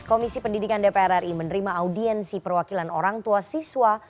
komisi pendidikan dpr ri menerima audiensi perwakilan orang tua siswa